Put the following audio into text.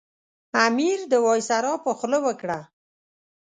امیر د وایسرا په خوله وکړه.